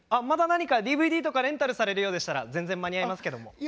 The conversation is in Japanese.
まだ何かＤＶＤとかレンタルされるようでしたら全然間に合いますけども。